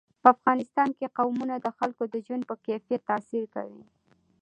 په افغانستان کې قومونه د خلکو د ژوند په کیفیت تاثیر کوي.